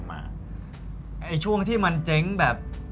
ช่วงที่มันเจ๊งแบบ